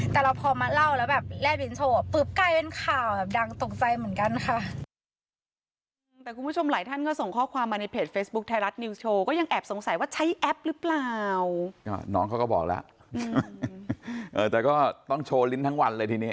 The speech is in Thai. แต่เราพอมาเล่าแล้วแบบแลบลิ้นโชว์ปุ๊บกลายเป็นข่าวแบบดังตกใจเหมือนกันค่ะ